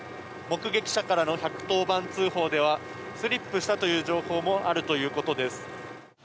目撃者からの１１０番通報ではスリップしたという情報もあるということです。